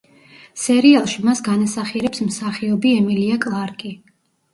სერიალში მას განასახიერებს მსახიობი ემილია კლარკი.